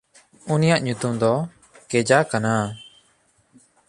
ᱩᱱᱤᱭᱟᱜ ᱧᱩᱛᱩᱢ ᱫᱚ ᱠᱮᱡᱟ ᱠᱟᱱᱟ᱾